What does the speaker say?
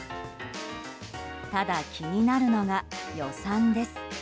ただ、気になるのが予算です。